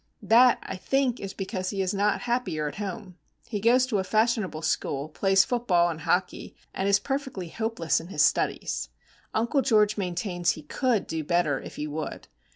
That, I think, is because he is not happier at home. He goes to a fashionable school, plays football and hockey, and is perfectly hopeless in his studies. Uncle George maintains he could do better if he would.